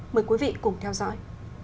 mời quý vị cùng theo dõi